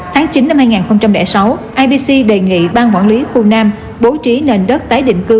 tháng chín năm hai nghìn sáu ibc đề nghị ban quản lý khu nam bố trí nền đất tái định cư